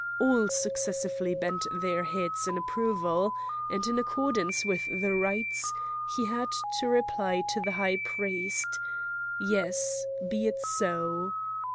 All successively bent their heads in approval; and in accordance with the rites he had to reply to the high priest: "Yes; be it so."